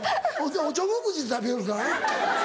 おちょぼ口で食べよるからな。